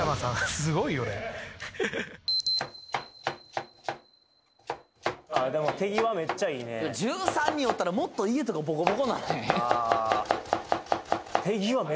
すごいよねでも手際めっちゃいいね１３人おったらもっと家とかボコボコなれへん？